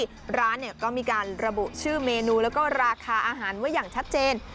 ที่ร้านเนี่ยก็มีการระบุชื่อเมนูแล้วก็ราคาอาหารไว้อย่างชัดเจน